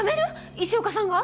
石岡さんが？